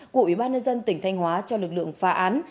của ủy ban nhân dân tỉnh thanh hóa cho lực lượng phá án